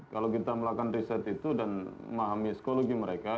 kalau kita melakukan riset itu dan memahami psikologi mereka